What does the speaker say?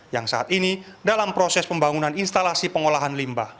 yang saat ini dalam proses pembangunan instalasi pengolahan limbah